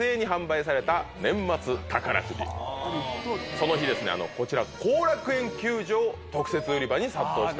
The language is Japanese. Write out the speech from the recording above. その日後楽園球場特設売り場に殺到した。